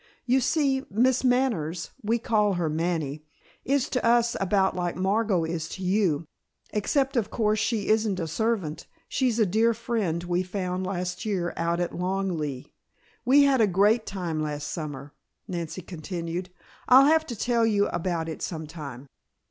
You see, Miss Manners, we call her Manny is to us about like Margot is to you. Except, of course, she isn't a servant, she's a dear friend we found last year out at Long Leigh. We had a great time last summer," Nancy continued. "I'll have to tell you about it some time."